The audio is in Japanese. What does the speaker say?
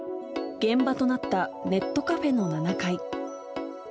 現場となったネットカフェの７階。